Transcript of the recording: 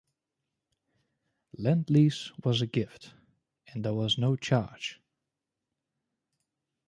Lend Lease was a gift and there was no charge.